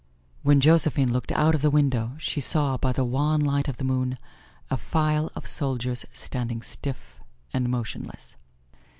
When Josephine looked out of the window, she saw by the wan light of the moon a file of soldiers standing stiff and motionless.